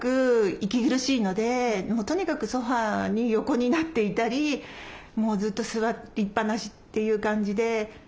とにかくソファーに横になっていたりもうずっと座りっぱなしっていう感じで。